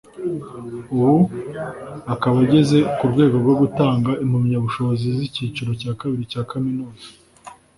ubu akaba ageze ku rwego rwo gutanga impamyabushobozi z’icyiciro cya kabiri cya Kaminuza